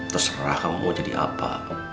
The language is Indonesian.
terserah kamu mau jadi apa